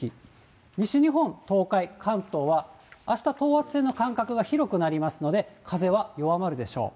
西日本、東海、関東はあした、等圧線の間隔が広くなりますので、風は弱まるでしょう。